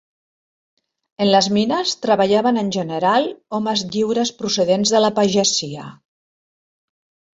En les mines treballaven en general homes lliures procedents de la pagesia.